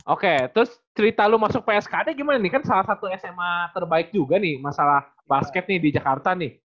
oke terus cerita lu masuk pskd gimana nih kan salah satu sma terbaik juga nih masalah basket nih di jakarta nih